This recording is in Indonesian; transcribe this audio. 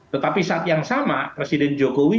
tetapi saat yang sama presiden jokowi